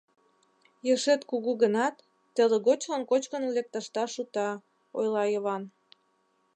— Ешет кугу гынат, телыгочлан кочкын лекташда шута, — ойла Йыван.